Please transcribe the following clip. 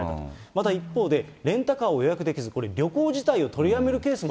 また一方で、レンタカーを予約できず、旅行自体を取りやめるケー